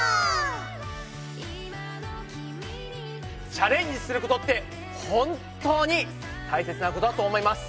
チャレンジすることって本当に大切なことだと思います。